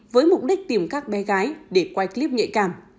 với mục đích tìm các bé gái để quay clip nhạy cảm